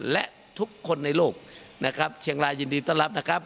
และทุกคนในโลกนะครับเชียงรายยินดีต้อนรับนะครับ